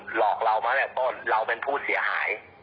หลอกเรามาตั้งแต่ต้นเราเป็นผู้เสียหาย